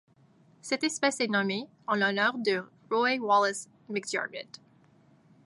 Cette espèce est nommée en l'honneur de Roy Wallace McDiarmid.